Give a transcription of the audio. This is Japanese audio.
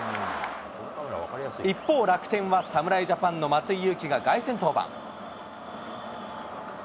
一方、楽天は侍ジャパンの松井裕樹が凱旋登板。